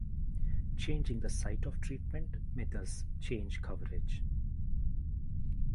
Changing the site of treatment may thus change coverage.